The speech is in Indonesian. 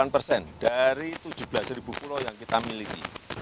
delapan persen dari tujuh belas ribu pulau yang kita miliki